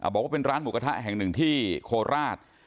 บอกว่าเป็นร้านหมูกระทะแห่งหนึ่งที่โคราช